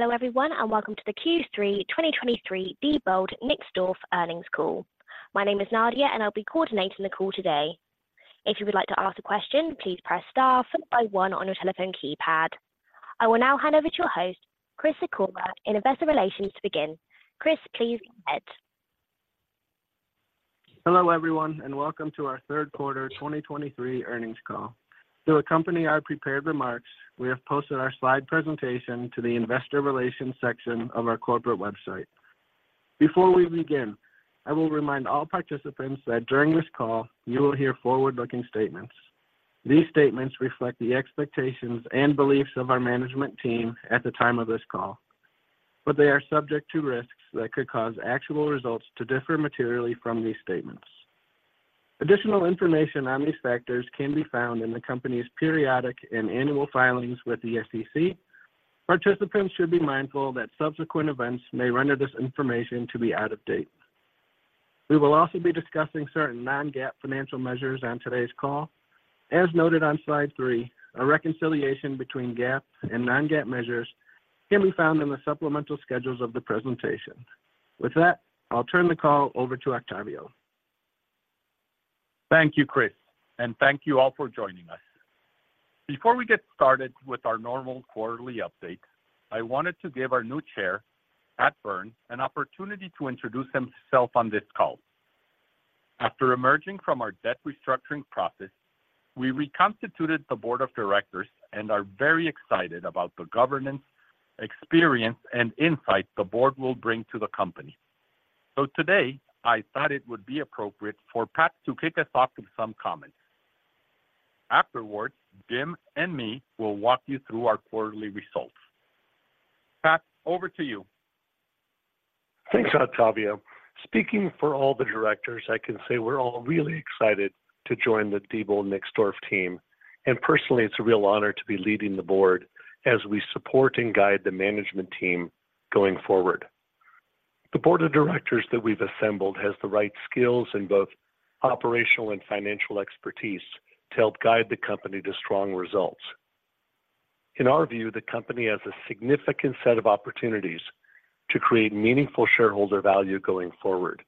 Hello, everyone, and welcome to the Q3 2023 Diebold Nixdorf Earnings Call. My name is Nadia, and I'll be coordinating the call today. If you would like to ask a question, please press star followed by one on your telephone keypad. I will now hand over to your host, Chris Sikora, Investor Relations, to begin. Chris, please go ahead. Hello, everyone, and welcome to our third quarter 2023 earnings call. To accompany our prepared remarks, we have posted our slide presentation to the Investor Relations section of our corporate website. Before we begin, I will remind all participants that during this call, you will hear forward-looking statements. These statements reflect the expectations and beliefs of our management team at the time of this call, but they are subject to risks that could cause actual results to differ materially from these statements. Additional information on these factors can be found in the company's periodic and annual filings with the SEC. Participants should be mindful that subsequent events may render this information to be out of date. We will also be discussing certain non-GAAP financial measures on today's call. As noted on slide 3, a reconciliation between GAAP and non-GAAP measures can be found in the supplemental schedules of the presentation. With that, I'll turn the call over to Octavio. Thank you, Chris, and thank you all for joining us. Before we get started with our normal quarterly update, I wanted to give our new chair, Pat Byrne, an opportunity to introduce himself on this call. After emerging from our debt restructuring process, we reconstituted the board of directors and are very excited about the governance, experience, and insight the board will bring to the company. So today, I thought it would be appropriate for Pat to kick us off with some comments. Afterwards, Jim and me will walk you through our quarterly results. Pat, over to you. Thanks, Octavio. Speaking for all the directors, I can say we're all really excited to join the Diebold Nixdorf team, and personally, it's a real honor to be leading the board as we support and guide the management team going forward. The board of directors that we've assembled has the right skills in both operational and financial expertise to help guide the company to strong results. In our view, the company has a significant set of opportunities to create meaningful shareholder value going forward.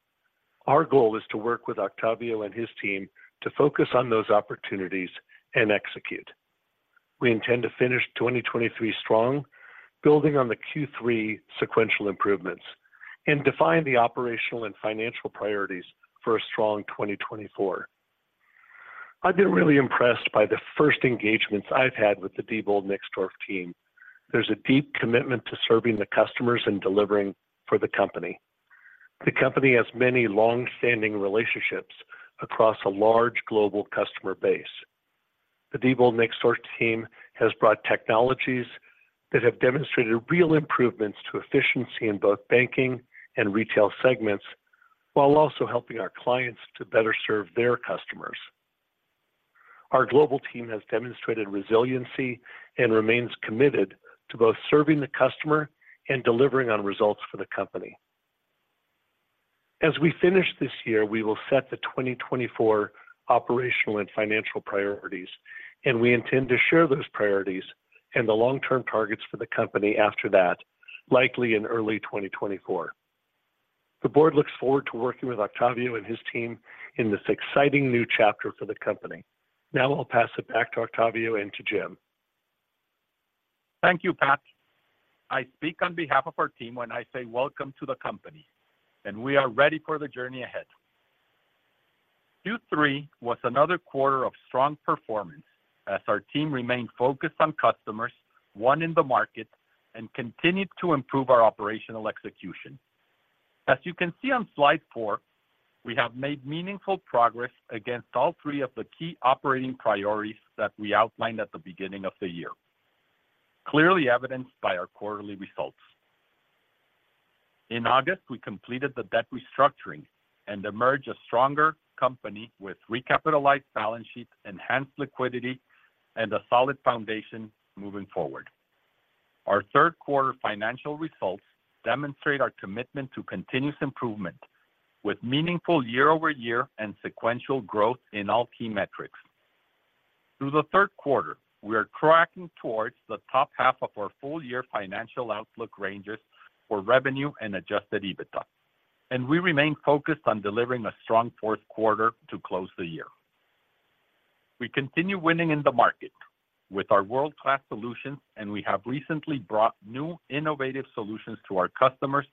Our goal is to work with Octavio and his team to focus on those opportunities and execute. We intend to finish 2023 strong, building on the Q3 sequential improvements and define the operational and financial priorities for a strong 2024. I've been really impressed by the first engagements I've had with the Diebold Nixdorf team. There's a deep commitment to serving the customers and delivering for the company. The company has many long-standing relationships across a large global customer base. The Diebold Nixdorf team has brought technologies that have demonstrated real improvements to efficiency in both banking and retail segments, while also helping our clients to better serve their customers. Our global team has demonstrated resiliency and remains committed to both serving the customer and delivering on results for the company. As we finish this year, we will set the 2024 operational and financial priorities, and we intend to share those priorities and the long-term targets for the company after that, likely in early 2024. The board looks forward to working with Octavio and his team in this exciting new chapter for the company. Now, I'll pass it back to Octavio and to Jim. Thank you, Pat. I speak on behalf of our team when I say welcome to the company, and we are ready for the journey ahead. Q3 was another quarter of strong performance as our team remained focused on customers, won in the market, and continued to improve our operational execution. As you can see on slide 4, we have made meaningful progress against all three of the key operating priorities that we outlined at the beginning of the year, clearly evidenced by our quarterly results. In August, we completed the debt restructuring and emerged a stronger company with recapitalized balance sheets, enhanced liquidity, and a solid foundation moving forward. Our third quarter financial results demonstrate our commitment to continuous improvement, with meaningful year-over-year and sequential growth in all key metrics. Through the third quarter, we are tracking towards the top half of our full-year financial outlook ranges for revenue and Adjusted EBITDA, and we remain focused on delivering a strong fourth quarter to close the year. We continue winning in the market with our world-class solutions, and we have recently brought new innovative solutions to our customers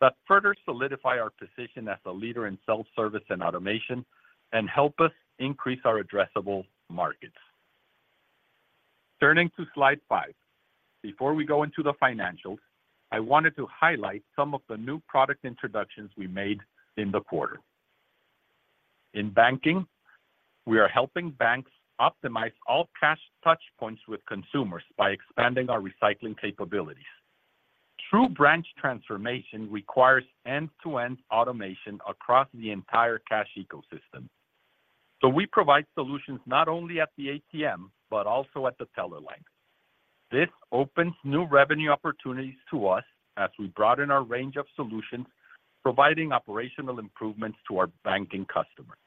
that further solidify our position as a leader in self-service and automation and help us increase our addressable markets. Turning to slide 5. Before we go into the financials, I wanted to highlight some of the new product introductions we made in the quarter. In banking, we are helping banks optimize all cash touch points with consumers by expanding our recycling capabilities. True Branch Transformation requires end-to-end automation across the entire cash ecosystem, so we provide solutions not only at the ATM, but also at the teller line. This opens new revenue opportunities to us as we broaden our range of solutions, providing operational improvements to our banking customers.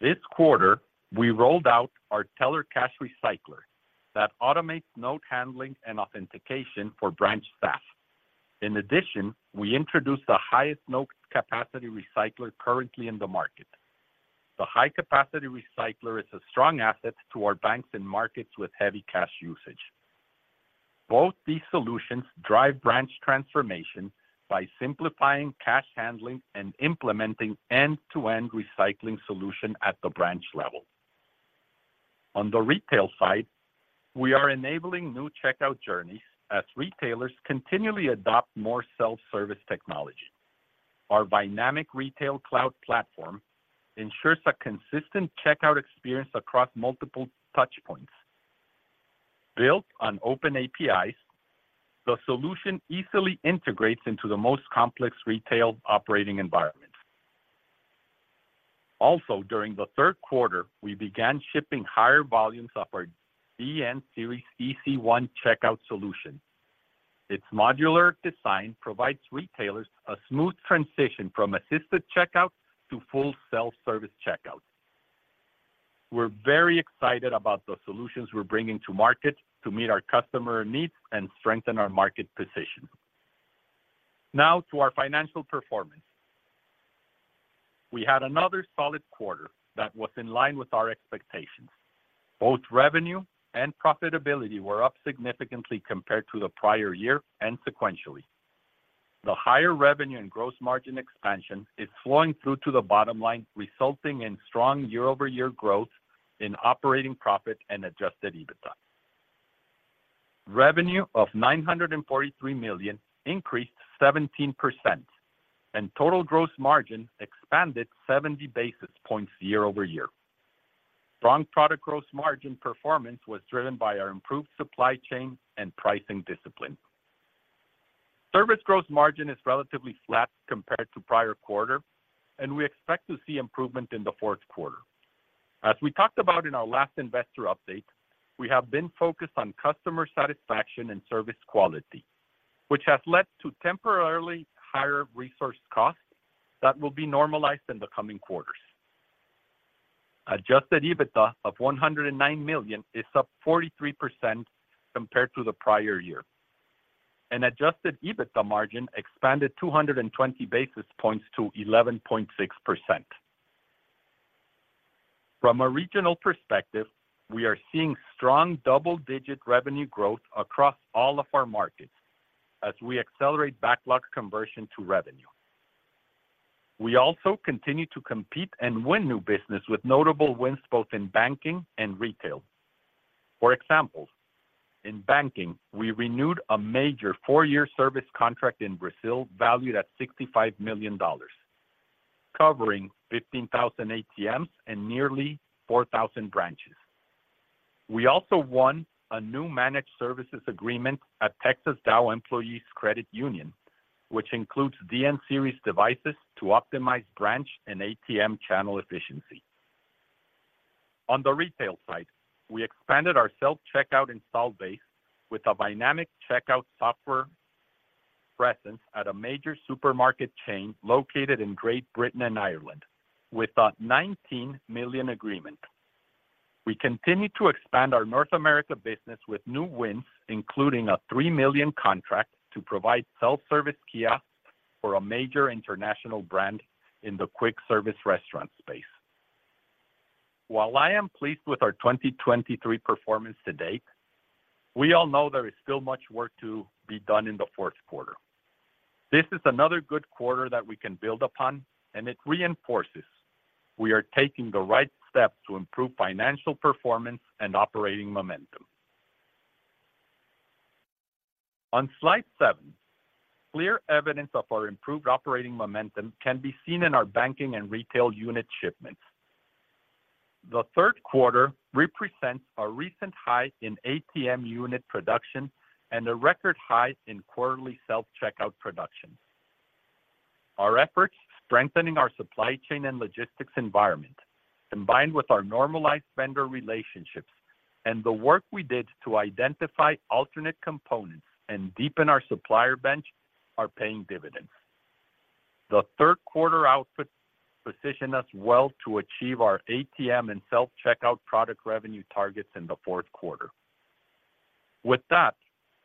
This quarter, we rolled out our Teller Cash Recycler that automates note handling and authentication for branch staff. In addition, we introduced the highest note capacity recycler currently in the market. The high-capacity recycler is a strong asset to our banks and markets with heavy cash usage. Both these solutions drive Branch Transformation by simplifying cash handling and implementing end-to-end recycling solution at the branch level. On the retail side, we are enabling new checkout journeys as retailers continually adopt more self-service technology. Our Vynamic retail cloud platform ensures a consistent checkout experience across multiple touchpoints. Built on open APIs, the solution easily integrates into the most complex retail operating environment. Also, during the third quarter, we began shipping higher volumes of our DN Series EC1 checkout solution. Its modular design provides retailers a smooth transition from assisted checkout to full self-service checkout. We're very excited about the solutions we're bringing to market to meet our customer needs and strengthen our market position. Now, to our financial performance. We had another solid quarter that was in line with our expectations. Both revenue and profitability were up significantly compared to the prior year and sequentially. The higher revenue and gross margin expansion is flowing through to the bottom line, resulting in strong year-over-year growth in operating profit and Adjusted EBITDA. Revenue of $943 million increased 17%, and total gross margin expanded 70 basis points year-over-year. Strong product gross margin performance was driven by our improved supply chain and pricing discipline. Service gross margin is relatively flat compared to prior quarter, and we expect to see improvement in the fourth quarter. As we talked about in our last investor update, we have been focused on customer satisfaction and service quality, which has led to temporarily higher resource costs that will be normalized in the coming quarters. Adjusted EBITDA of $109 million is up 43% compared to the prior year, and adjusted EBITDA margin expanded 220 basis points to 11.6%. From a regional perspective, we are seeing strong double-digit revenue growth across all of our markets as we accelerate backlog conversion to revenue. We also continue to compete and win new business, with notable wins both in banking and retail. For example, in banking, we renewed a major 4-year service contract in Brazil valued at $65 million, covering 15,000 ATMs and nearly 4,000 branches. We also won a new managed services agreement at Texas Dow Employees Credit Union, which includes DN Series devices to optimize branch and ATM channel efficiency. On the retail side, we expanded our self-checkout install base with a Vynamic Checkout software presence at a major supermarket chain located in Great Britain and Ireland, with a $19 million agreement. We continue to expand our North America business with new wins, including a $3 million contract to provide self-service kiosk for a major international brand in the quick-service restaurant space. While I am pleased with our 2023 performance to date, we all know there is still much work to be done in the fourth quarter. This is another good quarter that we can build upon, and it reinforces we are taking the right steps to improve financial performance and operating momentum. On slide 7, clear evidence of our improved operating momentum can be seen in our banking and retail unit shipments. The third quarter represents a recent high in ATM unit production and a record high in quarterly self-checkout production. Our efforts, strengthening our supply chain and logistics environment, combined with our normalized vendor relationships and the work we did to identify alternate components and deepen our supplier bench, are paying dividends. The third quarter output position us well to achieve our ATM and self-checkout product revenue targets in the fourth quarter. With that,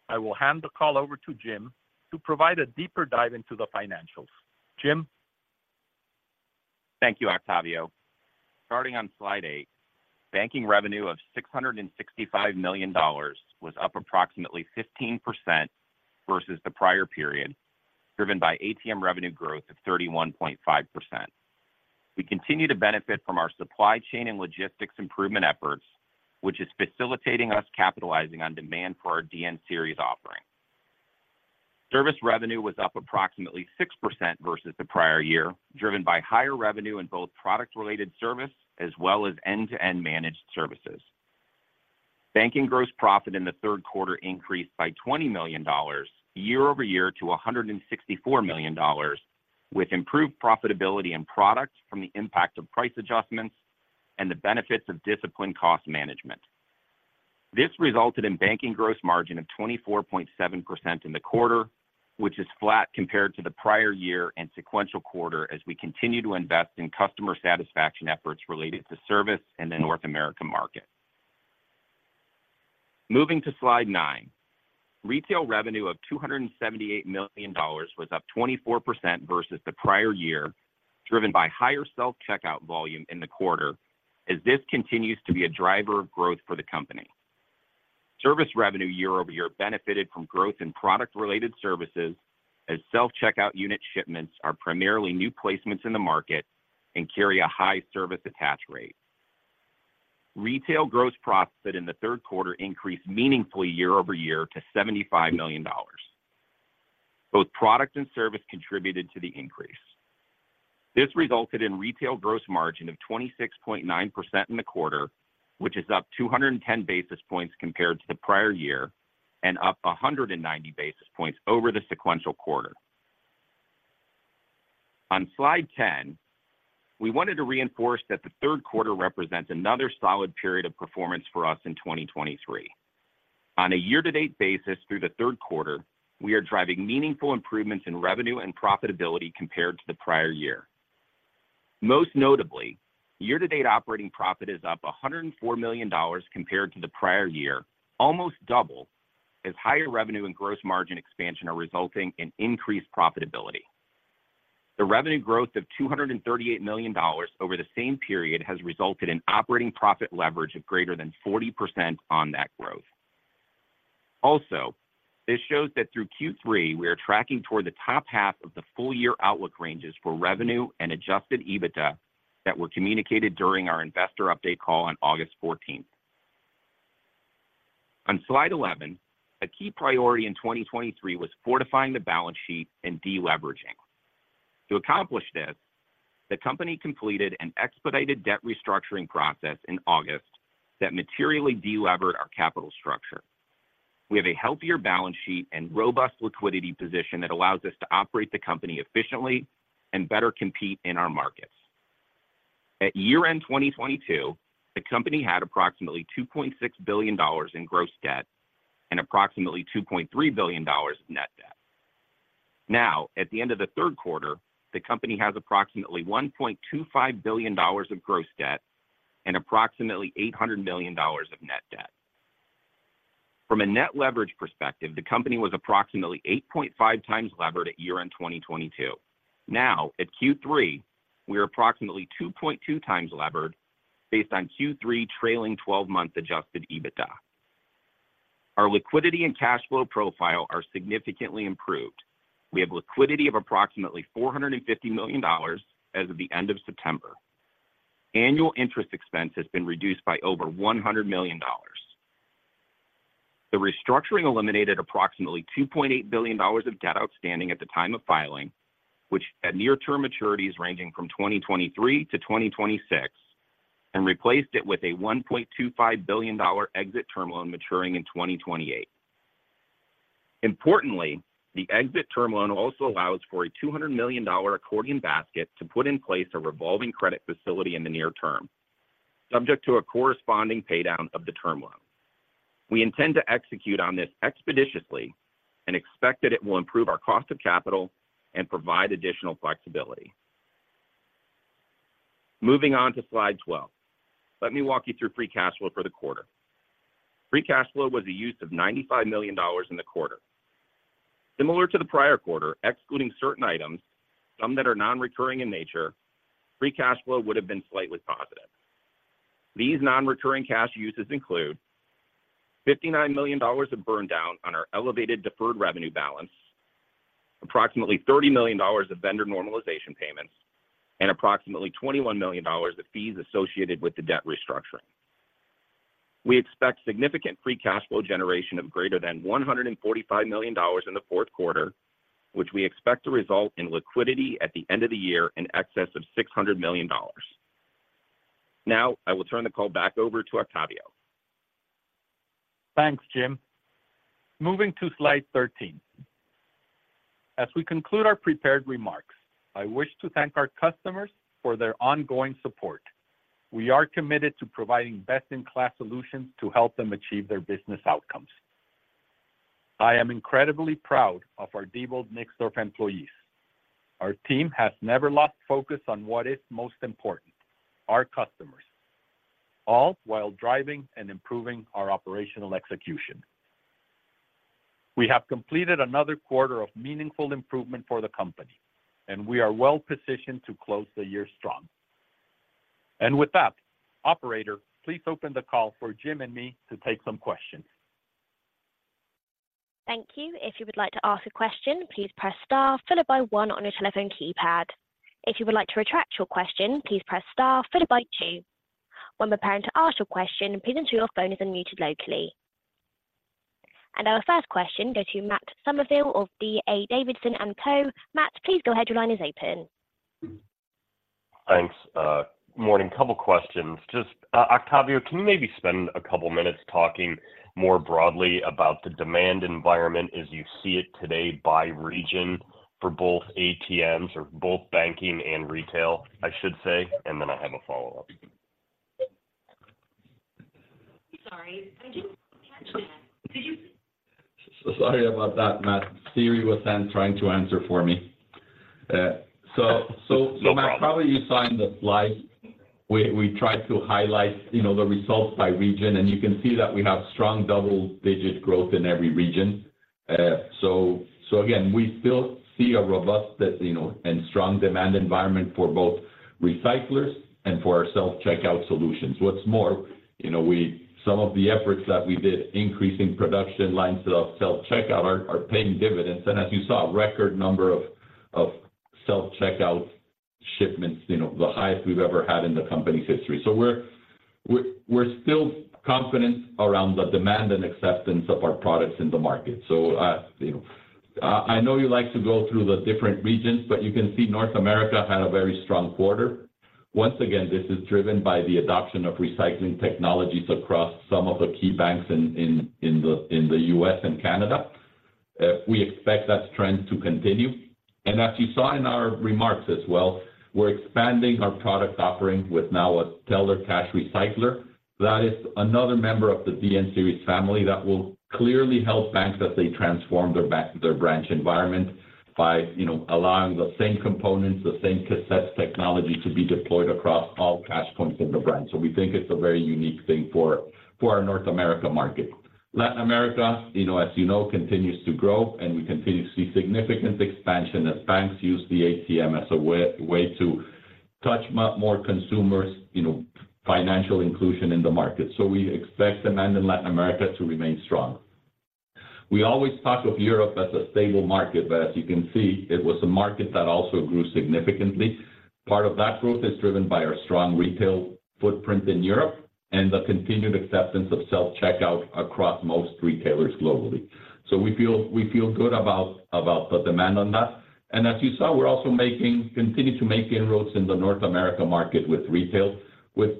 I will hand the call over to Jim to provide a deeper dive into the financials. Jim? Thank you, Octavio. Starting on slide eight, banking revenue of $665 million was up approximately 15% versus the prior period, driven by ATM revenue growth of 31.5%. We continue to benefit from our supply chain and logistics improvement efforts, which is facilitating us capitalizing on demand for our DN Series offerings. Service revenue was up approximately 6% versus the prior year, driven by higher revenue in both product-related service as well as end-to-end managed services. Banking gross profit in the third quarter increased by $20 million year-over-year to $164 million, with improved profitability and products from the impact of price adjustments and the benefits of disciplined cost management. This resulted in banking gross margin of 24.7% in the quarter, which is flat compared to the prior year and sequential quarter as we continue to invest in customer satisfaction efforts related to service in the North American market. Moving to slide 9. Retail revenue of $278 million was up 24% versus the prior year, driven by higher self-checkout volume in the quarter, as this continues to be a driver of growth for the company. Service revenue year-over-year benefited from growth in product-related services, as self-checkout unit shipments are primarily new placements in the market and carry a high service attach rate. Retail gross profit in the third quarter increased meaningfully year-over-year to $75 million. Both product and service contributed to the increase. This resulted in retail gross margin of 26.9% in the quarter, which is up 210 basis points compared to the prior year, and up 190 basis points over the sequential quarter. On slide 10, we wanted to reinforce that the third quarter represents another solid period of performance for us in 2023. On a year-to-date basis through the third quarter, we are driving meaningful improvements in revenue and profitability compared to the prior year. Most notably, year-to-date operating profit is up $104 million compared to the prior year, almost double, as higher revenue and gross margin expansion are resulting in increased profitability. The revenue growth of $238 million over the same period has resulted in operating profit leverage of greater than 40% on that growth. Also, this shows that through Q3, we are tracking toward the top half of the full year outlook ranges for revenue and Adjusted EBITDA that were communicated during our investor update call on August fourteenth. On slide 11, a key priority in 2023 was fortifying the balance sheet and deleveraging. To accomplish this, the company completed an expedited debt restructuring process in August that materially delevered our capital structure. We have a healthier balance sheet and robust liquidity position that allows us to operate the company efficiently and better compete in our markets. At year-end 2022, the company had approximately $2.6 billion in gross debt and approximately $2.3 billion in net debt. Now, at the end of the third quarter, the company has approximately $1.25 billion of gross debt and approximately $800 million of net debt. From a Net Leverage perspective, the company was approximately 8.5 times levered at year-end 2022. Now, at Q3, we are approximately 2.2 times levered based on Q3 trailing twelve-month Adjusted EBITDA. Our liquidity and cash flow profile are significantly improved. We have liquidity of approximately $450 million as of the end of September. Annual interest expense has been reduced by over $100 million. The restructuring eliminated approximately $2.8 billion of debt outstanding at the time of filing, which had near-term maturities ranging from 2023 to 2026, and replaced it with a $1.25 billion Exit Term Loan maturing in 2028. Importantly, the Exit Term Loan also allows for a $200 million accordion basket to put in place a revolving credit facility in the near term, subject to a corresponding paydown of the term loan. We intend to execute on this expeditiously and expect that it will improve our cost of capital and provide additional flexibility. Moving on to slide 12. Let me walk you through Free Cash Flow for the quarter. Free Cash Flow was a use of $95 million in the quarter. Similar to the prior quarter, excluding certain items, some that are non-recurring in nature, Free Cash Flow would have been slightly positive. These non-recurring cash uses include $59 million of burn down on our elevated deferred revenue balance, approximately $30 million of vendor normalization payments, and approximately $21 million of fees associated with the debt restructuring. We expect significant free cash flow generation of greater than $145 million in the fourth quarter, which we expect to result in liquidity at the end of the year in excess of $600 million. Now, I will turn the call back over to Octavio. Thanks, Jim. Moving to slide 13. As we conclude our prepared remarks, I wish to thank our customers for their ongoing support. We are committed to providing best-in-class solutions to help them achieve their business outcomes. I am incredibly proud of our Diebold Nixdorf employees. Our team has never lost focus on what is most important, our customers, all while driving and improving our operational execution. We have completed another quarter of meaningful improvement for the company, and we are well positioned to close the year strong. With that, operator, please open the call for Jim and me to take some questions. Thank you. If you would like to ask a question, please press star followed by one on your telephone keypad. If you would like to retract your question, please press star followed by two. When preparing to ask your question, please ensure your phone is unmuted locally. Our first question goes to Matt Summerville of D.A. Davidson & Co. Matt, please go ahead. Your line is open. Thanks, morning. Couple questions. Just, Octavio, can you maybe spend a couple minutes talking more broadly about the demand environment as you see it today by region for both ATMs or both banking and retail, I should say, and then I have a follow-up?... Sorry, I didn't catch that. Did you- Sorry about that, Matt. Siri was then trying to answer for me. So, No problem... Matt, probably you saw in the slide, we tried to highlight, you know, the results by region, and you can see that we have strong double-digit growth in every region. So again, we still see a robust, as you know, and strong demand environment for both recyclers and for our self-checkout solutions. What's more, you know, some of the efforts that we did, increasing production lines of self-checkout are paying dividends. And as you saw, a record number of self-checkout shipments, you know, the highest we've ever had in the company's history. So we're still confident around the demand and acceptance of our products in the market. So, you know, I know you like to go through the different regions, but you can see North America had a very strong quarter. Once again, this is driven by the adoption of recycling technologies across some of the key banks in the U.S. and Canada. We expect that trend to continue. And as you saw in our remarks as well, we're expanding our product offerings with now a Teller Cash Recycler. That is another member of the DN Series family that will clearly help banks as they transform their branch environment by, you know, allowing the same components, the same cassette technology to be deployed across all cash points in the branch. So we think it's a very unique thing for our North America market. Latin America, you know, as you know, continues to grow, and we continue to see significant expansion as banks use the ATM as a way to touch more consumers, you know, financial inclusion in the market. So we expect demand in Latin America to remain strong. We always talk of Europe as a stable market, but as you can see, it was a market that also grew significantly. Part of that growth is driven by our strong retail footprint in Europe and the continued acceptance of self-checkout across most retailers globally. So we feel good about the demand on that. And as you saw, we're also continue to make inroads in the North America market with retail with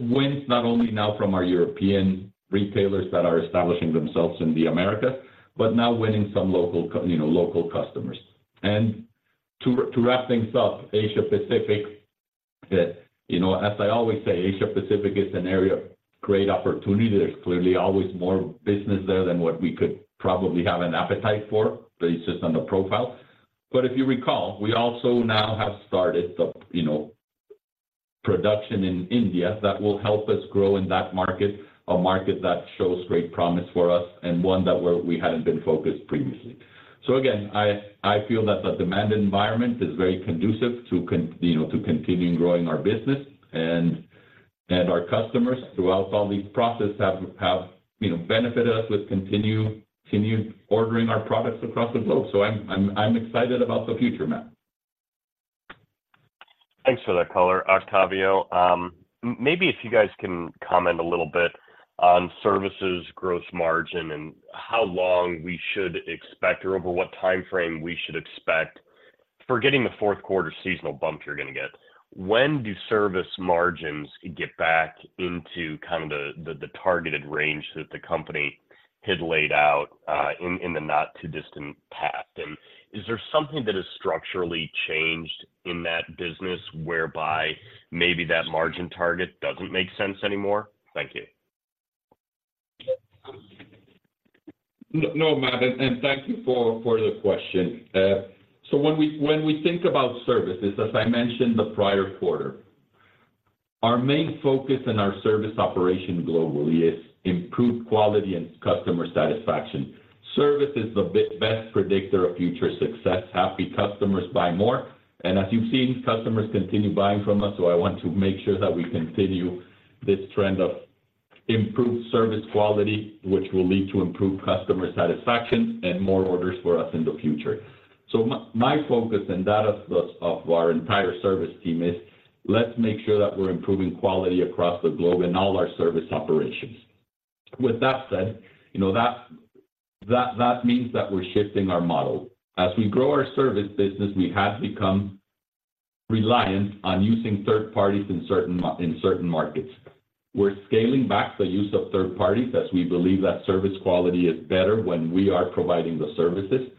wins not only now from our European retailers that are establishing themselves in the America, but now winning some local you know, local customers. To wrap things up, Asia Pacific, that, you know, as I always say, Asia Pacific is an area of great opportunity. There's clearly always more business there than what we could probably have an appetite for, based just on the profile. But if you recall, we also now have started the, you know, production in India that will help us grow in that market, a market that shows great promise for us and one that we hadn't been focused previously. So again, I feel that the demand environment is very conducive to, you know, continuing growing our business. And our customers, throughout all these process, have, you know, benefited us with continued ordering our products across the globe. So I'm excited about the future, Matt. Thanks for that color, Octavio. Maybe if you guys can comment a little bit on services, Gross Margin, and how long we should expect or over what time frame we should expect, forgetting the fourth quarter seasonal bump you're going to get, when do service margins get back into kind of the targeted range that the company had laid out, in the not-too-distant past? And is there something that has structurally changed in that business whereby maybe that margin target doesn't make sense anymore? Thank you. No, no, Matt, and thank you for the question. So when we think about services, as I mentioned the prior quarter, our main focus in our service operation globally is improved quality and customer satisfaction. Service is the best predictor of future success. Happy customers buy more, and as you've seen, customers continue buying from us, so I want to make sure that we continue this trend of improved service quality, which will lead to improved customer satisfaction and more orders for us in the future. So my focus and that of our entire service team is, let's make sure that we're improving quality across the globe in all our service operations. With that said, you know, that means that we're shifting our model. As we grow our service business, we have become reliant on using third parties in certain markets. We're scaling back the use of third parties, as we believe that service quality is better when we are providing the services.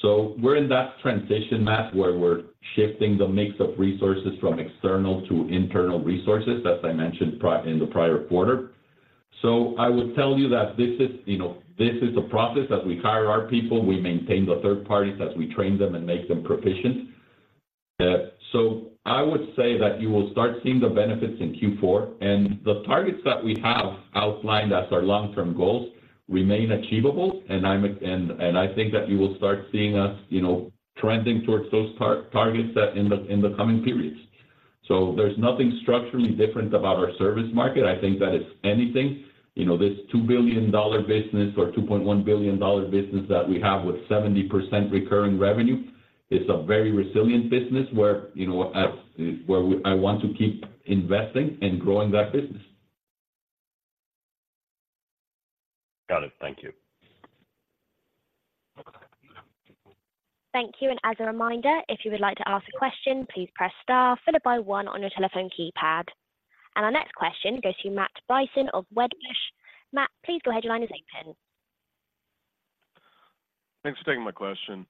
So we're in that transition, Matt, where we're shifting the mix of resources from external to internal resources, as I mentioned in the prior quarter. So I would tell you that this is, you know, this is a process. As we hire our people, we maintain the third parties as we train them and make them proficient. So I would say that you will start seeing the benefits in Q4. And the targets that we have outlined as our long-term goals remain achievable, and I think that you will start seeing us, you know, trending towards those targets that... In the coming periods. So there's nothing structurally different about our service market. I think that if anything, you know, this $2 billion business or $2.1 billion business that we have with 70% recurring revenue, it's a very resilient business where, you know, where I want to keep investing and growing that business. Got it. Thank you. Thank you, and as a reminder, if you would like to ask a question, please press star followed by one on your telephone keypad. Our next question goes to Matt Bryson of Wedbush. Matt, please go ahead. Your line is open.... Thanks for taking my question.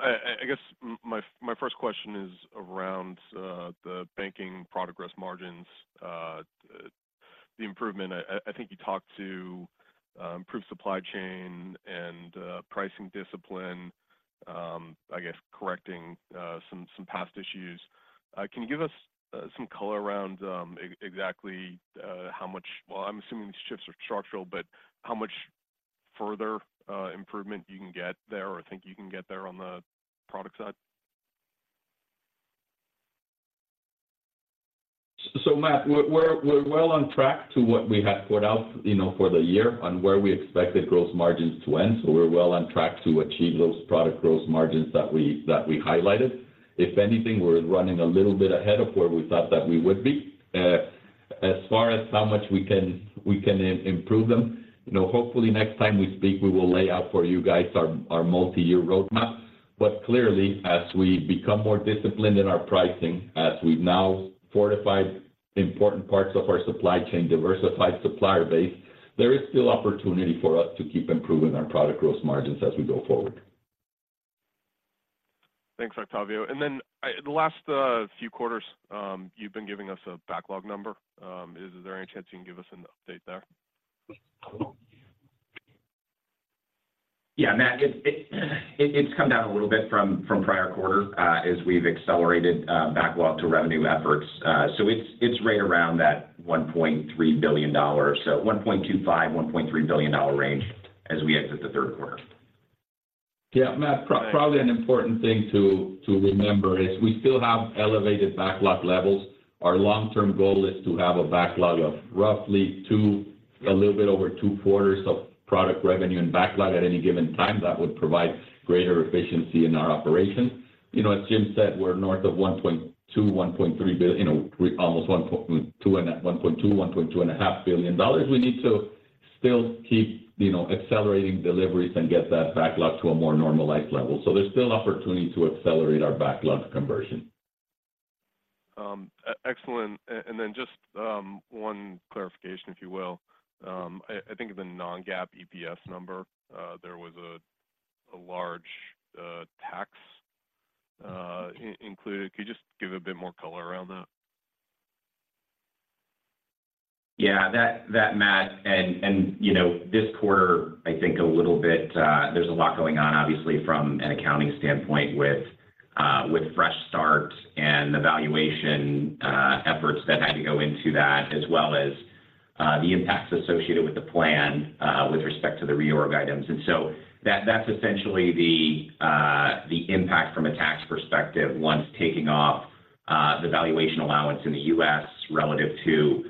I guess my first question is around the banking product gross margins, the improvement. I think you talked to improved supply chain and pricing discipline, I guess correcting some past issues. Can you give us some color around exactly how much-- Well, I'm assuming these shifts are structural, but how much further improvement you can get there or think you can get there on the product side? So Matt, we're well on track to what we had put out, you know, for the year on where we expected gross margins to end. So we're well on track to achieve those product gross margins that we highlighted. If anything, we're running a little bit ahead of where we thought that we would be. As far as how much we can improve them, you know, hopefully next time we speak, we will lay out for you guys our multi-year roadmap. But clearly, as we become more disciplined in our pricing, as we've now fortified important parts of our supply chain, diversified supplier base, there is still opportunity for us to keep improving our product gross margins as we go forward. Thanks, Octavio. And then, the last few quarters, you've been giving us a backlog number. Is there any chance you can give us an update there? Yeah, Matt, it's come down a little bit from prior quarter as we've accelerated backlog to revenue efforts. So it's right around that $1.3 billion. So $1.25 billion-$1.3 billion range as we exit the third quarter. Yeah, Matt, probably an important thing to remember is we still have elevated backlog levels. Our long-term goal is to have a backlog of roughly two, a little bit over two quarters of product revenue and backlog at any given time. That would provide greater efficiency in our operations. You know, as Jim said, we're north of $1.2 billion-$1.3 billion, you know, we almost $1.2 billion-$1.25 billion dollars. We need to still keep, you know, accelerating deliveries and get that backlog to a more normalized level. So there's still opportunity to accelerate our backlog conversion. Excellent. And then just one clarification, if you will. I think of the non-GAAP EPS number, there was a large tax included. Could you just give a bit more color around that? Yeah, that Matt, and you know, this quarter, I think a little bit, there's a lot going on, obviously, from an accounting standpoint with fresh start and the valuation efforts that had to go into that, as well as the impacts associated with the plan with respect to the reorg items. And so that's essentially the impact from a tax perspective, once taking off the valuation allowance in the U.S. relative to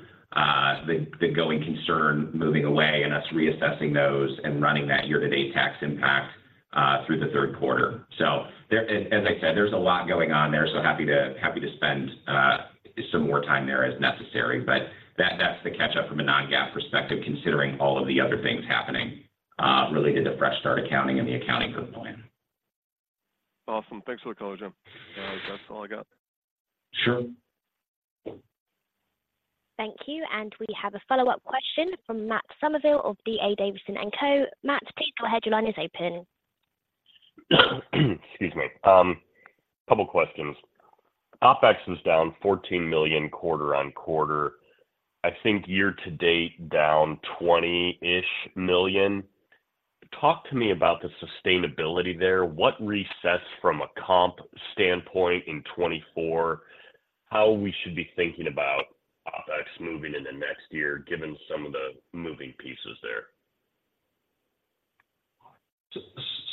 the going concern moving away and us reassessing those and running that year-to-date tax impact through the third quarter. So there, as I said, there's a lot going on there, so happy to spend some more time there as necessary. But that, that's the catch up from a non-GAAP perspective, considering all of the other things happening related to Fresh Start Accounting and the accounting code plan. Awesome. Thanks for the color, Jim. That's all I got. Sure. Thank you, and we have a follow-up question from Matt Summerville of D.A. Davidson & Co. Matt, please go ahead. Your line is open. Excuse me. Couple questions. OpEx was down $14 million quarter-over-quarter. I think year to date, down $20-ish million. Talk to me about the sustainability there. What resets from a comp standpoint in 2024, how we should be thinking about OpEx moving into next year, given some of the moving pieces there?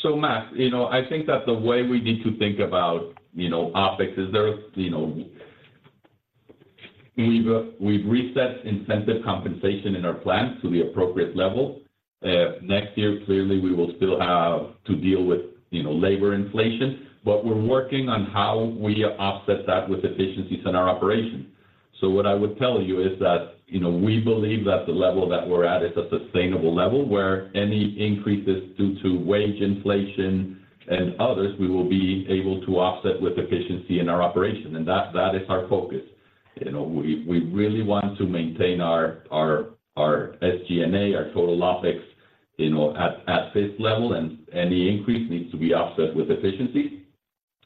So Matt, you know, I think that the way we need to think about, you know, OpEx is there's, you know. We've reset incentive compensation in our plan to the appropriate level. Next year, clearly, we will still have to deal with, you know, labor inflation, but we're working on how we offset that with efficiencies in our operation. So what I would tell you is that, you know, we believe that the level that we're at is a sustainable level, where any increases due to wage inflation and others, we will be able to offset with efficiency in our operation, and that is our focus. You know, we really want to maintain our SG&A, our total OpEx, you know, at this level, and any increase needs to be offset with efficiency.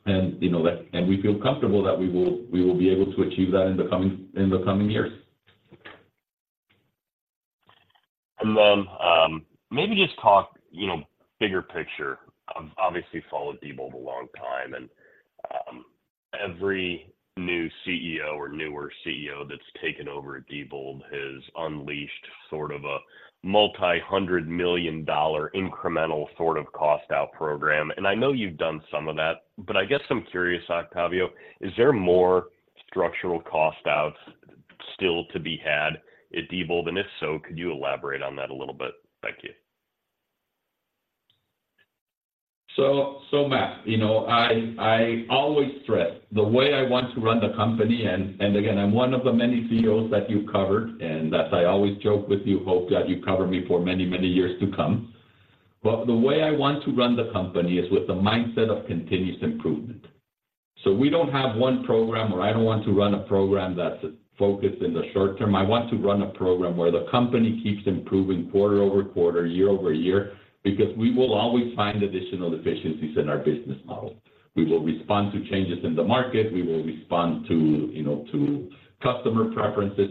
You know, that and we feel comfortable that we will be able to achieve that in the coming years. Then, maybe just talk, you know, bigger picture. I've obviously followed Diebold a long time, and every new CEO or newer CEO that's taken over at Diebold has unleashed sort of a multi-hundred-million-dollar incremental sort of cost-out program. I know you've done some of that, but I guess I'm curious, Octavio, is there more structural cost-outs still to be had at Diebold? If so, could you elaborate on that a little bit? Thank you. So Matt, you know, I always stress the way I want to run the company, and again, I'm one of the many CEOs that you've covered, and as I always joke with you, hope that you cover me for many, many years to come. But the way I want to run the company is with the mindset of continuous improvement.... So we don't have one program, or I don't want to run a program that's focused in the short term. I want to run a program where the company keeps improving quarter-over-quarter, year-over-year, because we will always find additional efficiencies in our business model. We will respond to changes in the market, we will respond to, you know, to customer preferences,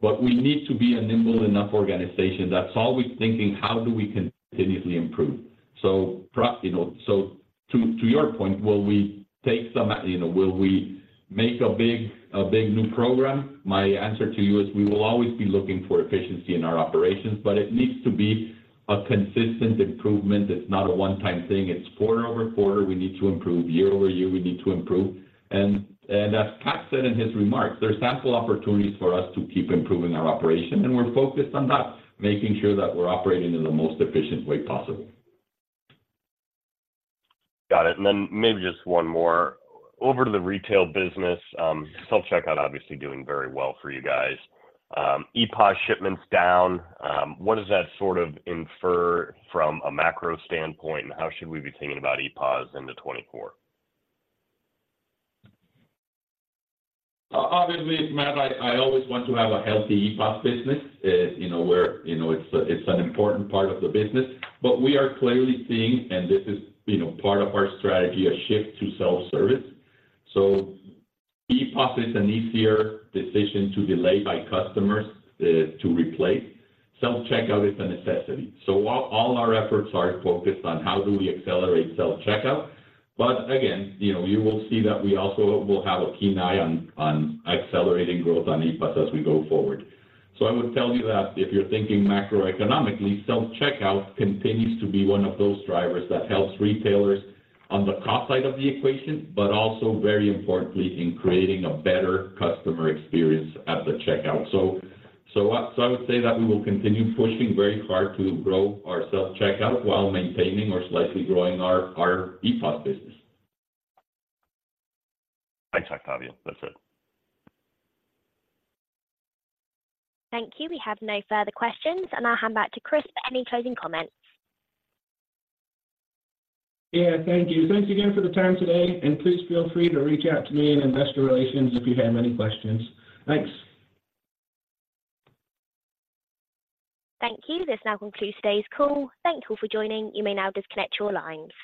but we need to be a nimble enough organization that's always thinking, how do we continuously improve? So perhaps, you know, so to your point, will we take some, you know, will we make a big new program? My answer to you is we will always be looking for efficiency in our operations, but it needs to be a consistent improvement. It's not a one-time thing, it's quarter-over-quarter, we need to improve, year-over-year, we need to improve. And as Pat said in his remarks, there are ample opportunities for us to keep improving our operation, and we're focused on that, making sure that we're operating in the most efficient way possible. Got it. And then maybe just one more. Over to the retail business, self-checkout obviously doing very well for you guys. EPoS shipments down, what does that sort of infer from a macro standpoint, and how should we be thinking about EPoS into 2024? Obviously, Matt, I always want to have a healthy EPoS business. You know, where you know it's an important part of the business, but we are clearly seeing, and this is, you know, part of our strategy, a shift to self-service. So EPoS is an easier decision to delay by customers to replace. Self-checkout is a necessity. So all our efforts are focused on how do we accelerate self-checkout. But again, you know, you will see that we also will have a keen eye on accelerating growth on EPoS as we go forward. So I would tell you that if you're thinking macroeconomically, self-checkout continues to be one of those drivers that helps retailers on the cost side of the equation, but also very importantly, in creating a better customer experience at the checkout. So, I would say that we will continue pushing very hard to grow our self-checkout while maintaining or slightly growing our EPoS business. Thanks, Octavio. That's it. Thank you. We have no further questions, and I'll hand back to Chris for any closing comments. Yeah, thank you. Thanks again for the time today, and please feel free to reach out to me in investor relations if you have any questions. Thanks. Thank you. This now concludes today's call. Thank you all for joining. You may now disconnect your lines.